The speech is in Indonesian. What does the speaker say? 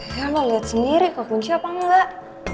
ya lo liat sendiri kekunci apa enggak